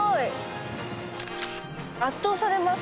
圧倒されます。